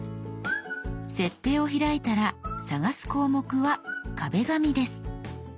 「設定」を開いたら探す項目は「壁紙」です。